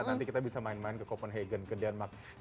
nanti kita bisa main main ke copenhagen ke denmark